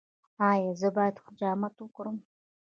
ایا زه باید حجامت وکړم؟